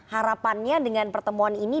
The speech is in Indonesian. harapannya dengan pertemuan ini